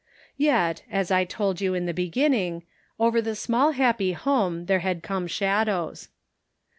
Yet, as I told you in the beginning, over the small happy home there had come shadows.